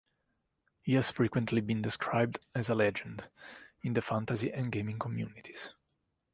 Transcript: He has frequently been described as a legend in the fantasy and gaming communities.